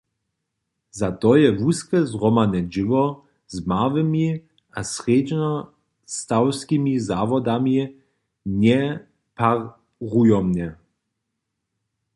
Za to je wuske zhromadne dźěło z małymi a srjedźnostawskimi zawodami njeparujomne.